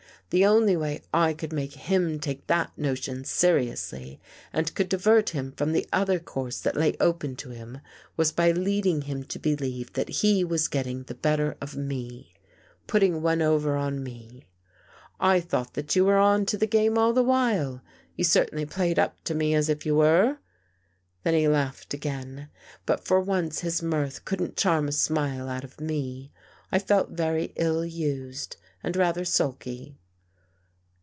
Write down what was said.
The only way I could make him take that notion seriously and could divert him from the other course that lay open to him, was by leading him to believe that he was getting the better of me — put ting one over on me. I thought that you were on to the game all the while. You certainly played up to me as if you were." Then he laughed again. But for once his mirth couldn't charm a smile out of me. I felt very ill used and rather sulky.